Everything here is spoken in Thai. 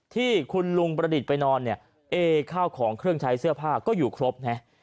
ที่คุณลุงประดิษฐ์ไปนอนเนี่ยเอข้าวของเครื่องใช้เสื้อผ้าก็อยู่ครบนะ